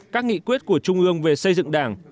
các nghị quyết của trung ương về xây dựng đảng